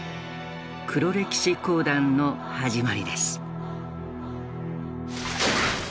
黒歴史講談の始まりです。